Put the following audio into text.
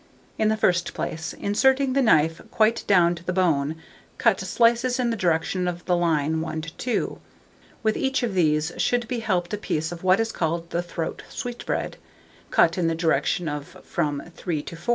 In the first place, inserting the knife quite down to the bone, cut slices in the direction of the line 1 to 2; with each of these should be helped a piece of what is called the throat sweetbread, cut in the direction of from 3 to 4.